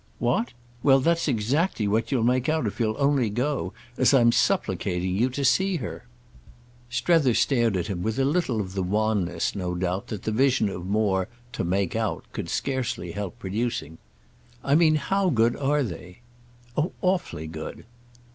"What? Well, that's exactly what you'll make out if you'll only go, as I'm supplicating you, to see her." Strether stared at him with a little of the wanness, no doubt, that the vision of more to "make out" could scarce help producing. "I mean how good are they?" "Oh awfully good."